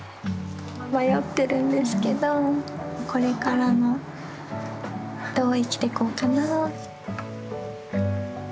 迷ってるんですけどこれからのどう生きてこうかな。